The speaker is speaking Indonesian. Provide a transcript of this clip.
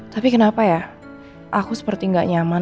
tapi kenapa ya aku seperti nggak nyaman